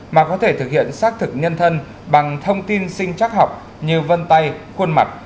mà có thể thực hiện xác thực nhân thân bằng thông tin sinh chắc học như vân tay khuôn mặt